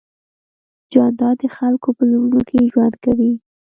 جانداد د خلکو په زړونو کې ژوند کوي.